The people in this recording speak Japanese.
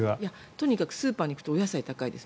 とにかくスーパーに行くとお野菜が高いです。